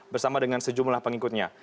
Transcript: bersama dengan sejumlah pengikutnya